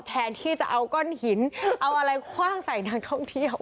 แทนที่จะเอาก้อนหินเอาอะไรคว่างใส่นักท่องเที่ยว